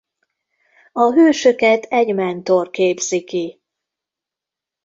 A hősöket egy mentor képzi ki.